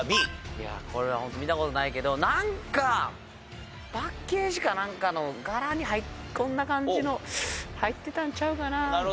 いやあこれはホント見た事ないけどなんかパッケージかなんかの柄にこんな感じの入ってたんちゃうかなみたいな。